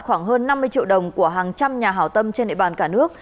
khoảng hơn năm mươi triệu đồng của hàng trăm nhà hảo tâm trên địa bàn cả nước